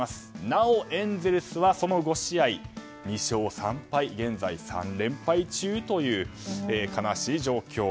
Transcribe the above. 「なおエンゼルス」は２勝３敗、現在３連敗中という悲しい状況。